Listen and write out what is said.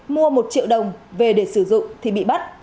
mua một triệu đồng về để sử dụng thì bị bắt